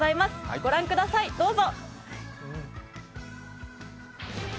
御覧ください、どうぞ。